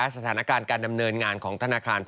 สถานการณ์การดำเนินงานของธนาคาร